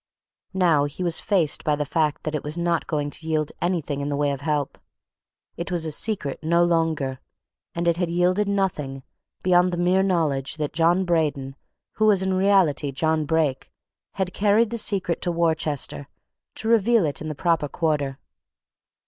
Now he was faced by the fact that it was not going to yield anything in the way of help it was a secret no longer, and it had yielded nothing beyond the mere knowledge that John Braden, who was in reality John Brake, had carried the secret to Wrychester to reveal it in the proper quarter.